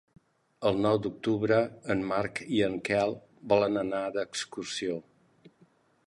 El nou d'octubre en Marc i en Quel volen anar d'excursió.